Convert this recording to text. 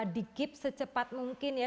dikip secepat mungkin ya